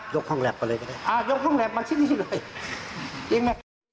ยกคล้องแหลบมาที่นี่เลยจริงไหม